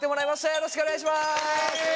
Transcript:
よろしくお願いします。